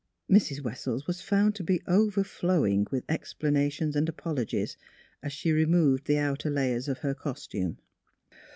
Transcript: Mrs. Wessels was found to be overflowing with explanations and apologies, as she removed the outside layers of her costume.